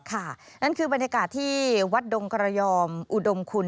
นั่นคือบรรยากาศที่วัดดงกระยอมอุดมคุณ